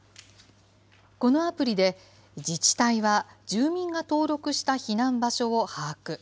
このアプリで、自治体は住民が登録した避難場所を把握。